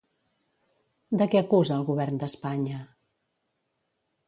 De què acusa el govern d'Espanya?